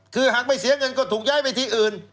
คือหากไม่เสียเงินก็ถูกย้ายไปที่อื่น